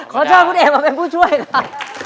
ขอเชิญคุณเอกมาเป็นผู้ช่วยค่ะ